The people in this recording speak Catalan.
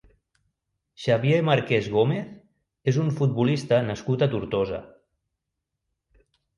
Xavier Marqués Gómez és un futbolista nascut a Tortosa.